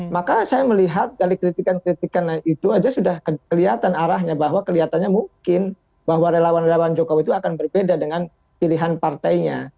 maka saya melihat dari kritikan kritikan itu aja sudah kelihatan arahnya bahwa kelihatannya mungkin bahwa relawan relawan jokowi itu akan berbeda dengan pilihan partainya